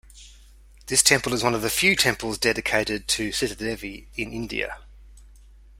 This temple is one of the few temples dedicated to Sitadevi in India.